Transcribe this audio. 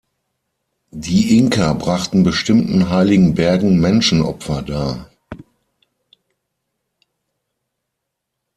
Die Inka brachten bestimmten heiligen Bergen Menschenopfer dar.